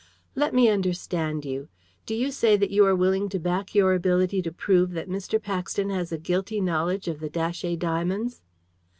"Let me understand you. Do you say that you are willing to back your ability to prove that Mr. Paxton has a guilty knowledge of the Datchet diamonds?"